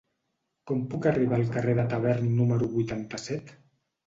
Com puc arribar al carrer de Tavern número vuitanta-set?